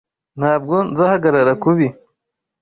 Ntabwo nzahagarara kubi.